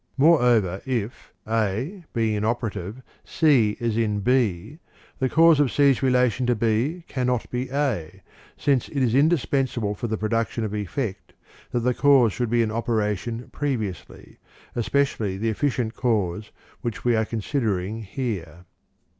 Moreover, if, A being inoperative, C is in B, the cause of C's relation to B cannot be A, since it is indispensable for the production of effect that the cause should be in operation previously, especially the efficient cause which we are con sidering here.